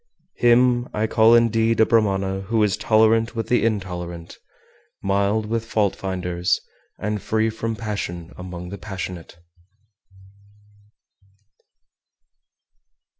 406. Him I call indeed a Brahmana who is tolerant with the intolerant, mild with fault finders, and free from passion among the passionate.